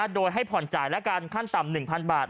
โดยให้ผ่อนจ่ายและกันขั้นต่ำ๑๐๐บาท